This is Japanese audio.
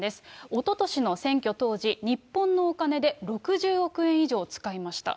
おととしの選挙当時、日本のお金で６０億円以上使いました。